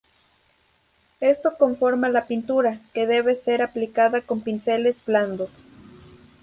Esto conforma la pintura, que debe ser aplicada con pinceles blandos.